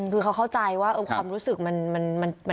คือเขาเข้าใจว่าความรู้สึกมันเฮิดอ่ะเนาะ